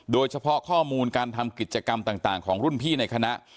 โดยเฉพาะข้อมูลการทำกิจกรรมต่างของรุ่นพี่ในคณะ